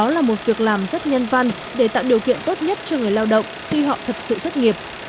là một việc làm rất nhân văn để tạo điều kiện tốt nhất cho người lao động khi họ thật sự thất nghiệp